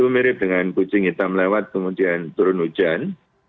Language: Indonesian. mirip dengan kucing hitam lewat kemudian turun hujan